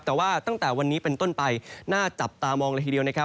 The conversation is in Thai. แต่ว่าตั้งแต่วันนี้เป็นต้นไปน่าจับตามองเลยทีเดียวนะครับ